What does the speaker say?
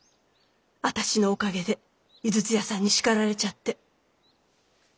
私のおかげで井筒屋さんに叱られちゃって。